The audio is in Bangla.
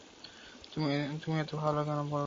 তুমি এতো ভালো কেন, বলরাম?